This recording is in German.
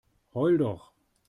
Heul doch!